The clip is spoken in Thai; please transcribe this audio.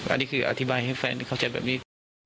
อันนี้คืออธิบายให้แฟนเข้าใจแบบนี้